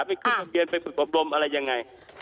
ไปขึ้นเกี่ยวไปฝึกประบบรมอะไรยังไง